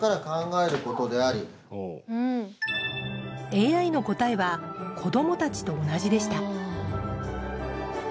ＡＩの答えは子どもたちと同じでした